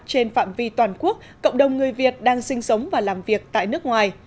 trên phạm vi toàn quốc cộng đồng người việt đang sinh sống và làm việc tại nước ngoài